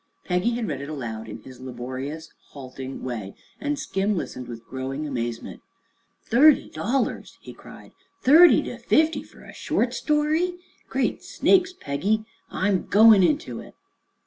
Peggy had read it aloud in his laborious, halting way, and Skim listened with growing amazement. "Thirty dollars!" he cried; "thirty to fifty fer a short story! Great Snakes, Peggy, I'm goin' into it."